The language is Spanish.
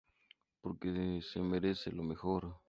Porque se merecen lo mejor.